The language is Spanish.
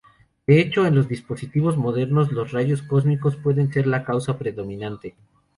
De hecho, en los dispositivos modernos, los rayos cósmicos pueden ser la causa predominante.